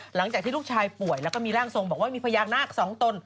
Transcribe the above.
หลังจากที่ลูกชายป่วยแล้วก็มีร่างทรงบอกว่ามีพญานาคสองตน